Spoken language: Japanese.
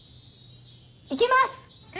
行きます！